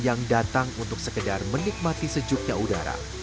yang datang untuk sekedar menikmati sejuknya udara